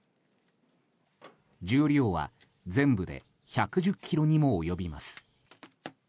重量は全部で１１０ｋｇにも及びます。